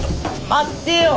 待ってよ！